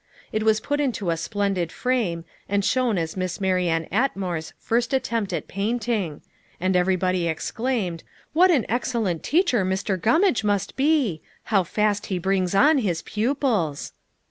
It was put into a splendid frame, and shown as Miss Marianne Atmore's first attempt at painting: and everybody exclaimed, "What an excellent teacher Mr. Gummage must be! How fast he brings on his pupils!"